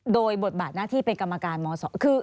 โดยบทบาทหน้าที่เป็นกรรมการมศคือ